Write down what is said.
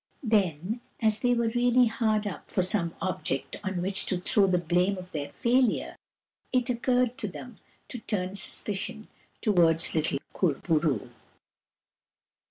Then, as they were really hard up for some object on which to throw the blame of their failure, it occurred to them to turn suspicion towards little Kur bo roo.